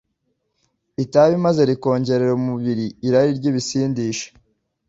itabi maze rikongerera umubiri irari ryibisindisha